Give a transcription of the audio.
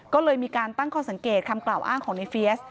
ก็เลยมีการตั้งข้อสังเกตคำกล่าวอ้างของในเฟียส